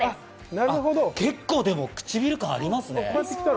結構、唇感ありますね。